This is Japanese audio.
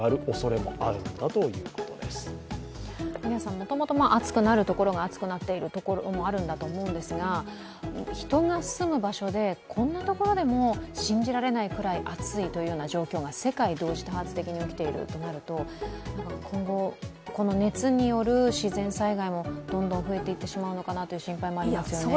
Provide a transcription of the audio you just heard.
もともと暑くなる所が暑くなっいてるところもあると思うんですが、人が住む場所で、こんなところでも信じられないくらい暑いというような状況が世界同時多発的に起きているとなると今後、この熱による自然災害もどんどん増えていってしまうのかなという心配もありますよね。